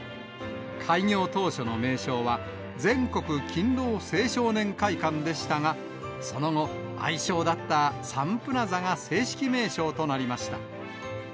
開業当初の名称は、全国勤労青少年会館でしたが、その後、愛称だったサンプラザが正式名称となりました。